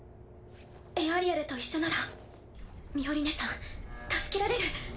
エアリアルと一緒ならミオリネさん助けられる。